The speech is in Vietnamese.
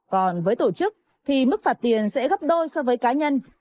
còn với tổ chức thì mức phạt tiền sẽ gấp đôi so với cá nhân